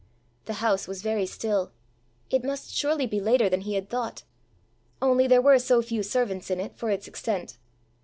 The house was very still: it must surely be later than he had thought only there were so few servants in it for its extent!